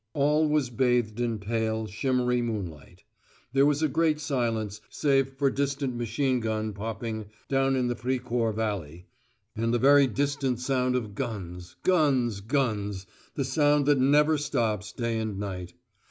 All was bathed in pale, shimmery moonlight. There was a great silence, save for distant machine gun popping down in the Fricourt valley, and the very distant sound of guns, guns, guns the sound that never stops day and night.